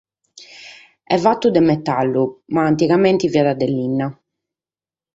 Est fatu de metallu, ma antigamente fiat de linna.